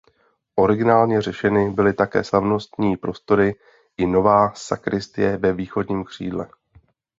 Originálně řešeny byly také slavnostní prostory i „nová“ sakristie ve východním křídle.